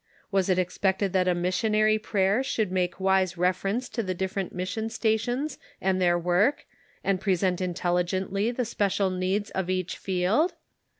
Was it expected that a missionary prayer should make wise reference to the different mission stations and their work, and present intelligently the special needs of each field?